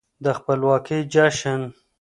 د خپلواکۍ جشن